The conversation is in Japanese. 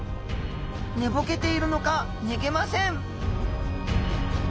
寝ぼけているのか逃げません。